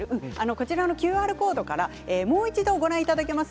こちらのＱＲコードからもご覧いただけます。